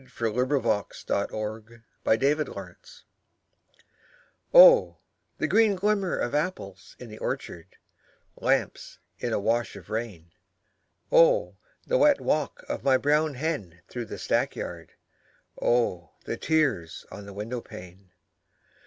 H. LAWRENCE BALLAD OF ANOTHER OPHELIA Oh, the green glimmer of apples in the orchard, Lamps in a wash of rain, Oh, the wet walk of my brown hen through the stackyard, Oh, tears on the window pane!